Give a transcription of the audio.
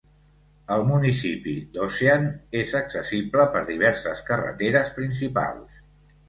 El municipi d'Ocean és accessible per diverses carreteres principals.